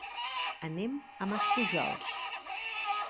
Anem a Maspujols.